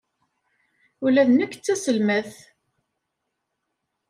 Ula d nekk d taselmadt.